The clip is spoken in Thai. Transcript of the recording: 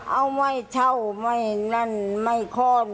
เอาไม่เช่าไม่นั่นไม่ค่อน